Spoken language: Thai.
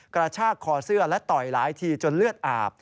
กระชากคอเสื้อและต่อยหลายทีจนเลือดอาบ